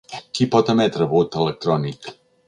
Qui pot emetre vot electrònic?